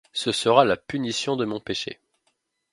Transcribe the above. Ce sera la punition de mon péché...